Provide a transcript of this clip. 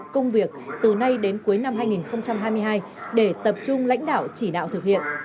công việc từ nay đến cuối năm hai nghìn hai mươi hai để tập trung lãnh đạo chỉ đạo thực hiện